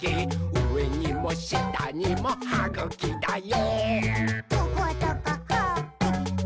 うえにもしたにもはぐきだよ！」